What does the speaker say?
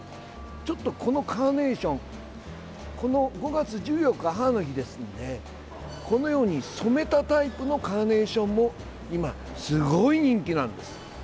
ちょっと、このカーネーション５月１４日、母の日ですのでこのように染めたタイプのカーネーションも今、すごい人気なんです。